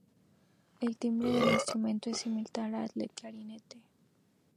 El timbre del instrumento es similar al de un clarinete.